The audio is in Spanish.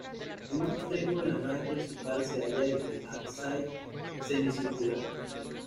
En un extremo de la nave principal se halla el ábside, semicircular.